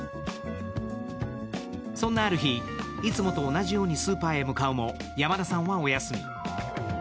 そんなある日、いつもと同じようにスーパーへ向かうも山田さんはお休み。